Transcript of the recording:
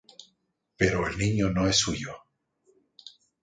Pero el niño no es suyo.